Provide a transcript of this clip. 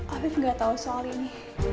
afif nggak tahu soal ini